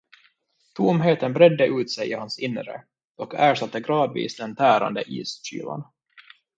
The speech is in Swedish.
Tomheten bredde ut sig i hans inre, och ersatte gradvis den tärande iskylan.